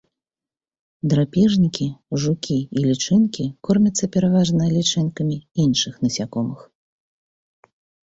Драпежнікі, жукі і лічынкі кормяцца пераважна лічынкамі іншых насякомых.